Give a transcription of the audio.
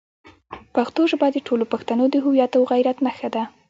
پښتو ژبه د ټولو پښتنو د هویت او غیرت نښه ده.